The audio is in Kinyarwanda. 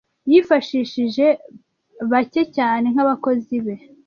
yifashishije bake cyane nk’abakozi be